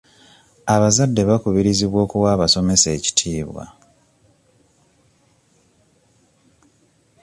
Abazadde bakubirizibwa okuwa abasomesa ekitiibwa.